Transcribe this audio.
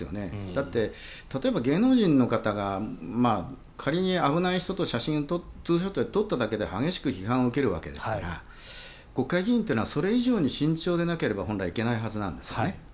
だって、例えば芸能人の方が仮に危ない人と写真をツーショットで撮っただけで激しく批判を受けるわけですから国会議員というのはそれ以上に慎重でなければ本来いけないはずなんですね。